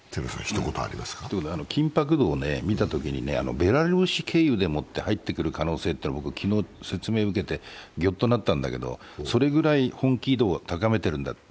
緊迫度を見たときにベラルーシ経由で入ってくる可能性は、昨日説明を受けてぎょっとなったんだけど、それくらい本気度を高めているんだと。